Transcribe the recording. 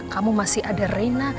kamu masih ada reyna